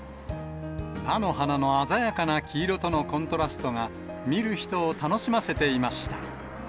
菜の花の鮮やかな黄色とのコントラストが、見る人を楽しませていました。